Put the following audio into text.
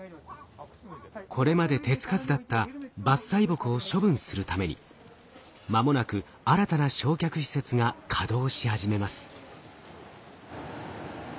これまで手付かずだった伐採木を処分するために間もなく新たな焼却施設が稼働し始めます。